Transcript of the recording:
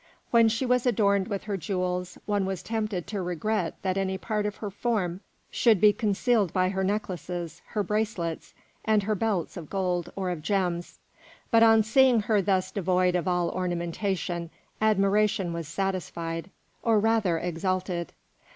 When she was adorned with her jewels, one was tempted to regret that any part of her form should be concealed by her necklaces, her bracelets, and her belts of gold or of gems; but on seeing her thus devoid of all ornament, admiration was satisfied, or rather exalted.